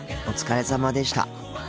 お疲れさまでした。